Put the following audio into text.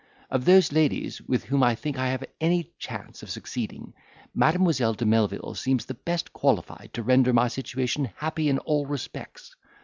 Of those ladies with whom I think I have any chance of succeeding, Mademoiselle de Melvil seems the best qualified to render my situation happy in all respects.